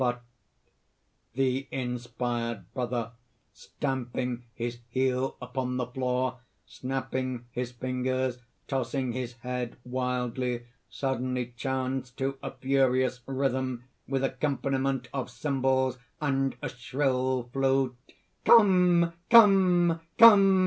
_ But ) THE INSPIRED BROTHER (_stamping his heel upon the floor, snapping his fingers, tossing his head wildly, suddenly chants to a furious rhythm, with accompaniment of cymbals and a shrill flute_: ) "Come! come!